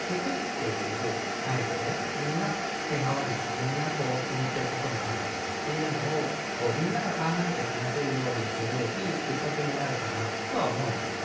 みんな気にしてることがあるんだっていうのをみんなが考えて話せるようにするいいきっかけになるかなとは思うんですけど。